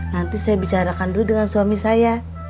nanti saya bicarakan dulu dengan suami saya